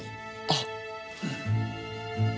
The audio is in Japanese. あっ。